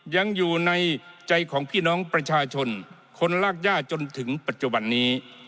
ยังอยู่ในใจของพี่น้องประชาชนคนรากย่าจนถึงปัจจุบันนี้